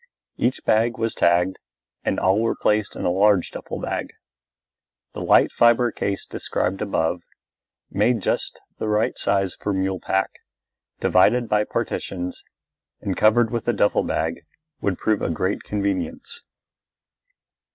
Each bag was tagged and all were placed in the large duffel bag. The light fibre case described above, made just the right size for mule pack, divided by partitions, and covered with a duffel bag, would prove a great convenience.